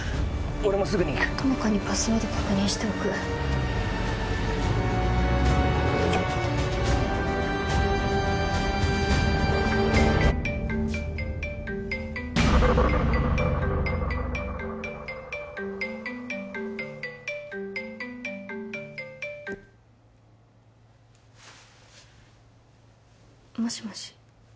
俺もすぐに行く友果にパスワード確認しておくもしもし